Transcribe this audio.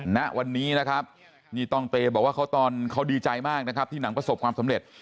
ณวันนี้นะครับนี่ต้องเตบอกว่าตอนเขาดีใจมากนะครับที่หนังประสบความสำเร็จ